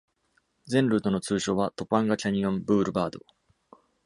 全ルートの通称はトパンガ・キャニオン・ブールバード。